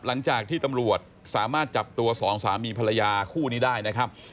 หลังจากที่ตำรวจสามารถจับตัวสองสามีภรรยาคู่นี้ได้นะครับ